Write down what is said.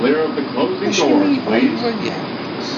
Acimi i yebɣa Yuba ad yeḥbes?